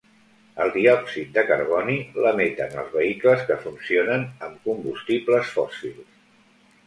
El diòxid de carboni l'emeten els vehicles que funcionen amb combustibles fòssils.